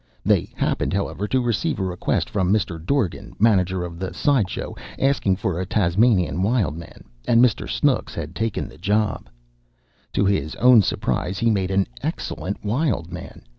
They happened, however, to receive a request from Mr. Dorgan, manager of the side show, asking for a Tasmanian Wild Man, and Mr. Snooks had taken that job. To his own surprise, he made an excellent Wild Man.